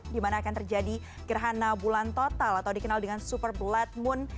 di mana akan terjadi gerhana bulan total atau dikenal dengan super blood moon